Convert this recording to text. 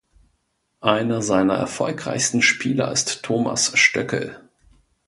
Einer seiner erfolgreichsten Spieler ist Thomas Stöckel.